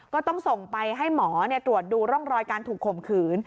ก็ต้องส่งไปให้หมอตรวจดูร่องรอยการถูกข่มขืน